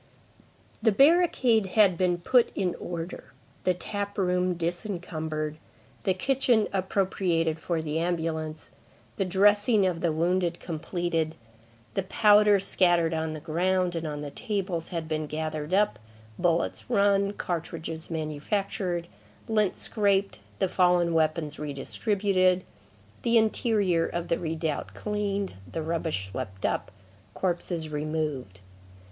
The barricade had been put in order, the tap room disencumbered, the kitchen appropriated for the ambulance, the dressing of the wounded completed, the powder scattered on the ground and on the tables had been gathered up, bullets run, cartridges manufactured, lint scraped, the fallen weapons re distributed, the interior of the redoubt cleaned, the rubbish swept up, corpses removed.